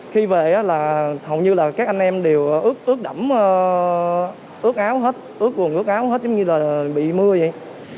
khi về là hầu như là các anh em đều ướt đẫm ướt áo hết ướt quần ướt áo hết giống như là bị mưa vậy